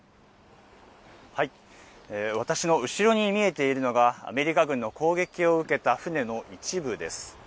私の後ろに見えているのが、アメリカ軍の攻撃を受けた船の一部です。